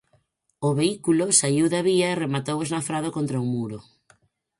O vehículo saíu da vía e rematou esnafrado contra un muro.